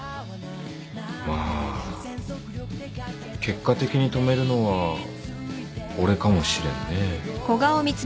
まあ結果的に止めるのは俺かもしれんね。